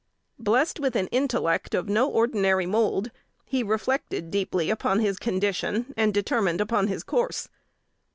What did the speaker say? Blessed with an intellect of no ordinary mould, he reflected deeply upon his condition, and determined upon his course.